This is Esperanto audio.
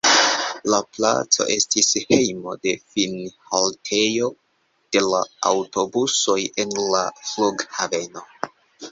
La placo estis hejmo de finhaltejo de la aŭtobusoj el la flughaveno.